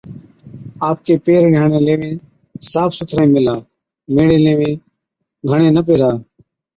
آپڪين پيهرڻي هاڙين ليوين صاف سُٿري ميهلا، ميڙي ليوين گھڻي نہ پيهرا